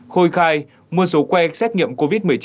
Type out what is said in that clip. khôi khai mua số que test nhanh covid một mươi chín